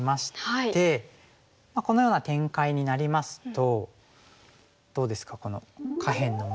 このような展開になりますとどうですかこの下辺の模様が。